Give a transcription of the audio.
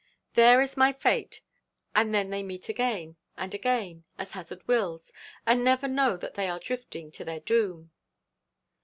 There is my fate; and then they meet again, and again, as hazard wills, and never know that they are drifting to their doom.'